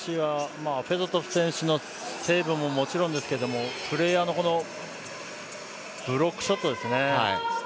フェドトフ選手のセーブももちろんですが、プレーヤーのブロックショットですね。